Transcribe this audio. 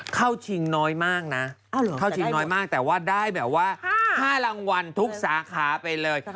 เข้าชิงน้อยมากนะแต่ว่าได้แบบว่า๕รางวัลทุกสาขาไปเลย